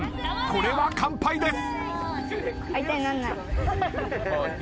これは完敗です。